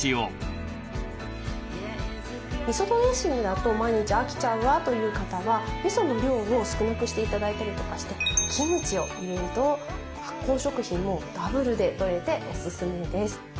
みそドレッシングだと毎日飽きちゃうわという方はみその量を少なくして頂いたりとかしてキムチを入れると発酵食品もダブルでとれておすすめです。